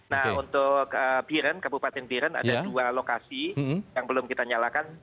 nah untuk biren kabupaten biren ada dua lokasi yang belum kita nyalakan